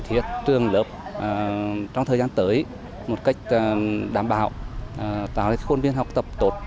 thì trường lợp trong thời gian tới một cách đảm bảo tạo ra khuôn viên học tập tốt